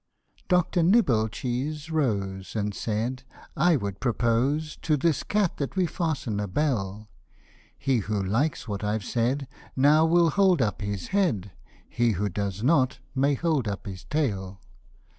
Dr. Nibble cheese rose, and said, " I would propose, To this cat that we fasten a bell : He who likes what I've said, now will hold up his head ; He who does not, may hold up his tail."